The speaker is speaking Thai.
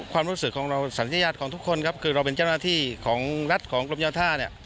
ความรู้สึกของเราสัญญาณของทุกคนครับคือเราเป็นเจ้าหน้าที่ของรัฐของกรมเจ้าท่าเนี่ย